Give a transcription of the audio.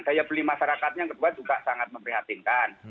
saya beli masyarakatnya yang kedua juga sangat memprihatinkan